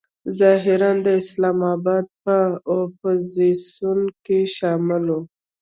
ظاهراً د اسلام آباد په اپوزیسیون کې شامل و.